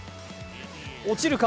落ちるか？